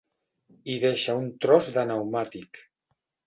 Hi deixa un tros de pneumàtic.